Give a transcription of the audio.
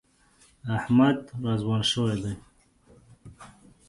احمد را ځوان شوی دی.